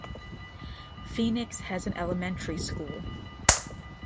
Phoenix has an elementary school.